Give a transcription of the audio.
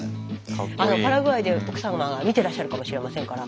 パラグアイで奥様が見てらっしゃるかもしれませんから。